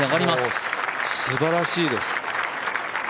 すばらしいです。